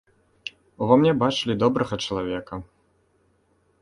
Ува мне бачылі добрага чалавека.